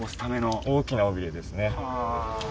大きな尾ビレですね。